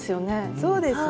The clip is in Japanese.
そうですね。